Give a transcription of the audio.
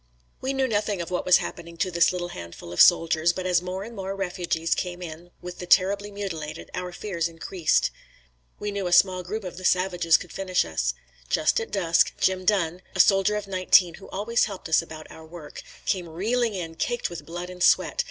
We knew nothing of what was happening to this little handful of soldiers, but as more and more refugees came in with the terribly mutilated, our fears increased. We knew a small group of the savages could finish us. Just at dusk, Jim Dunn, a soldier of nineteen who always helped us about our work, came reeling in, caked with blood and sweat.